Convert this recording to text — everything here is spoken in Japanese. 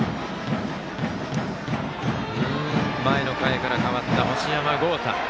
前の回から代わった星山豪汰。